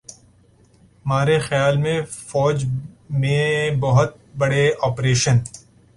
مارے خیال میں فوج میں بہت بڑے آپریشن